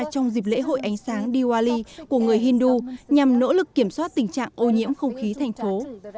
trong dịp lễ hội ánh sáng diwali của người hindu nhằm nỗ lực kiểm soát tình trạng ô nhiễm không khí thành phố